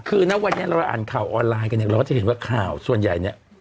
คือนักวันนี้เราอ่านข่าวออนไลน์เราก็จะเห็นว่าข่าวส่วนใหญ่